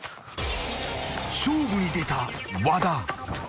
［勝負に出た和田］